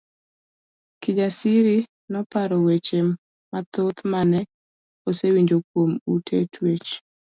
Kijasiri noparo weche mathoth mane osewinjo kuom ute twech.